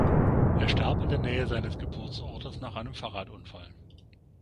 Er starb in der Nähe seines Geburtsortes nach einem Fahrradunfall.